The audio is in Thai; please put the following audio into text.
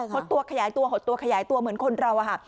ดตัวขยายตัวหดตัวขยายตัวเหมือนคนเราอะค่ะ